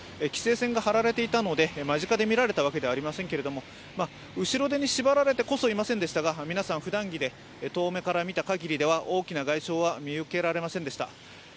規制線が張られていたので間近で見られたわけではありませんでしたが後ろ手に縛られてこそいませんでしたがみなさんふだん着で遠目から見た限りでは大きな外傷は見受けられませんでした。